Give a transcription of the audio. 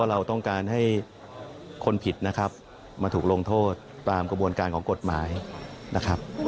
เราต้องการให้คนผิดนะครับมาถูกลงโทษตามกระบวนการของกฎหมายนะครับ